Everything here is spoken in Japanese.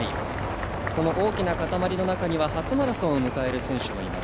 この大きな塊の中には初マラソンを迎える選手もいます。